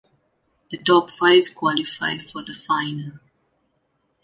The top five qualify for the final.